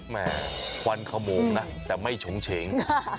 แห่ควันขโมงนะแต่ไม่ฉงเฉง